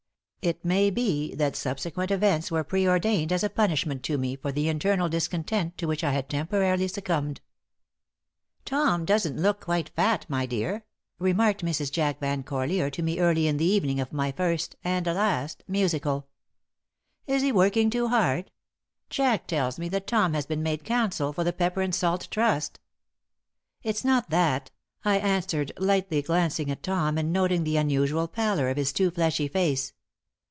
It may be that subsequent events were preordained as a punishment to me for the internal discontent to which I had temporarily succumbed. "Tom doesn't look quite fat, my dear," remarked Mrs. Jack Van Corlear to me early in the evening of my first and last musical. "Is he working too hard? Jack tells me that Tom has been made counsel for the Pepper and Salt Trust." "It's not that," I answered, lightly, glancing at Tom and noting the unusual pallor of his too fleshy face.